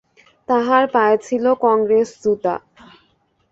তাঁহার পায়ে ছিল কংগ্রেস জুতা।